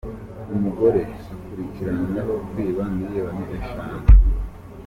Umugore akurikiranyweho kwiba miliyoni eshanu